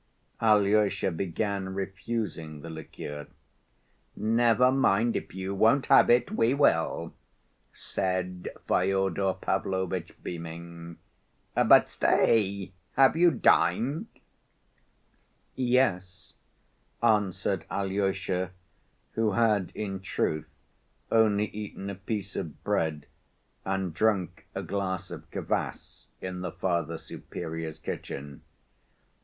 Alyosha began refusing the liqueur. "Never mind. If you won't have it, we will," said Fyodor Pavlovitch, beaming. "But stay—have you dined?" "Yes," answered Alyosha, who had in truth only eaten a piece of bread and drunk a glass of kvas in the Father Superior's kitchen.